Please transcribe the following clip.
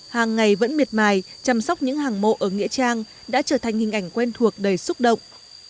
hàng ngày vẫn miệt mài chăm sóc những hàng mộ ở nghĩa trang đã trở thành hình ảnh quen thuộc đầy xúc động